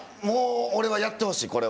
俺はやってほしい。